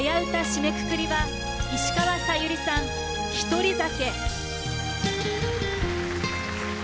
締めくくりは石川さゆりさん「獨り酒」。